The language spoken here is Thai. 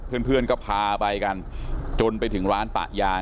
คุณก็พาไปจนไปถึงร้านปะยาง